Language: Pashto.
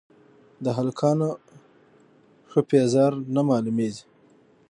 د هلکانو ښه پېزار نه مېلاوېږي